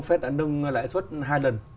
fed đã nâng lãi suất hai lần